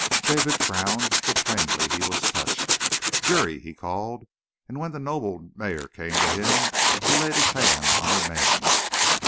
'" David frowned, but plainly he was touched. "Juri!" he called, and when the noble mare came to him, he laid his hand on her mane.